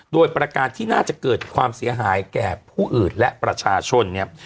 โดยประการที่น่าจะเกิดความเสียหายแก่ผู้อื่นและประชาชนเนี่ย